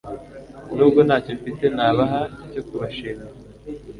nubwo ntacyo mfite nabaha cyo kubashimira